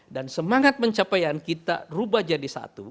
semangat pencapaian kita rubah jadi satu